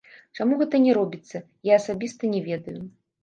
Чаму гэта не робіцца, я асабіста не ведаю.